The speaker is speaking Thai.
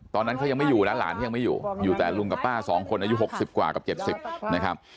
ตอนนั้นเขายังไม่อยู่นะหลานเขายังไม่อยู่อยู่แต่ลุงกับป้า๒คนอายุ๖๐กว่ากับ๗๐นะครับ